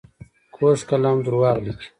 کوږ قلم دروغ لیکي